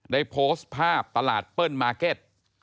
ได้โพสต์ภาพตลาดเปิ้ลมาร์เก็ต